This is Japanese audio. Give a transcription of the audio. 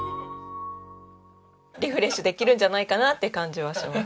リフレッシュできるんじゃないかなって感じはします。